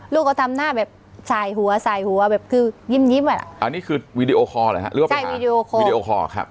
ลูกก็ทำหน้าแบบสายหัวแบบคือยิ้มอ่ะอันนี้คือวิดีโอคอร์เลยครับ